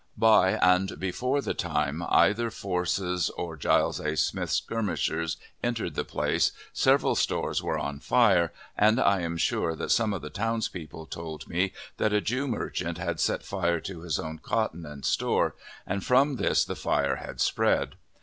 By and before the time either Force's or Giles A. Smith's skirmishers entered the place, several stores were on fire, and I am sure that some of the towns people told me that a Jew merchant had set fire to his own cotton and store, and from this the fire had spread.